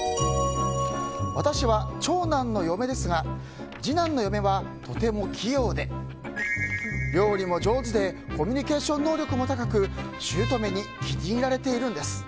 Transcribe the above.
私は長男の嫁ですが次男の嫁はとても器用で料理も上手でコミュニケーション能力も高く姑に気に入られているんです。